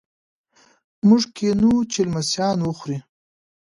موږ کینوو چې لمسیان وخوري.